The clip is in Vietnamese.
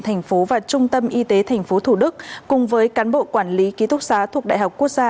bệnh viện thành phố và trung tâm y tế thành phố thủ đức cùng với cán bộ quản lý ký thúc xá thuộc đại học quốc gia